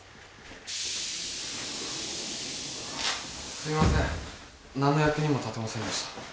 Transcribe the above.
すみません何の役にも立てませんでした